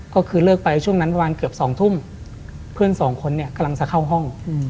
ก็คือเลิกไปช่วงนั้นประมาณเกือบ๒ทุ่มเพื่อนสองคนเนี่ยกำลังจะเข้าห้อง